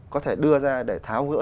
có thể đưa ra để tháo ngỡ